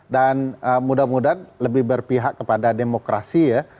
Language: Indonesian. dan mudah mudahan lebih berpihak kepada demokrasi ya